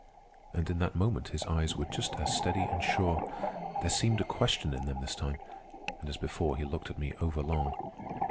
And in that moment his eyes were just as steady and sure. There seemed a question in them this time, and as before he looked at me over long.